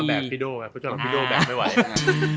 มาแบบพี่โดว่าช่อนลองพี่โดวแบบไว้